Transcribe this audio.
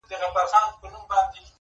چي مي دري نیوي کلونه کشوله-